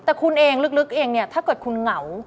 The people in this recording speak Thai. แต่คุณเองลึกเองเนี่ยถ้าเกิดคุณเหงา